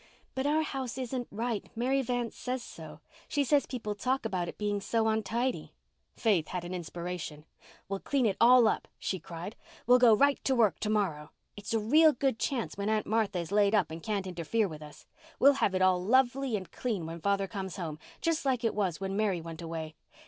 "But our house isn't right. Mary Vance says so. She says people talk about it being so untidy." Faith had an inspiration. "We'll clean it all up," she cried. "We'll go right to work to morrow. It's a real good chance when Aunt Martha is laid up and can't interfere with us. We'll have it all lovely and clean when father comes home, just like it was when Mary went away.